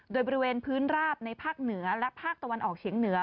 โดยบริเวณพื้นราบในภาคเหนือและภาคตะวันออกเฉียงเหนือ